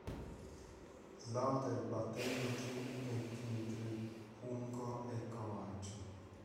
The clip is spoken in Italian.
Slaughter battendo Drew McIntyre, Hunico e Camacho.